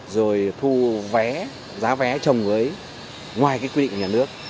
rồi thu vé giá vé trồng mới ngoài cái quy định của nhà nước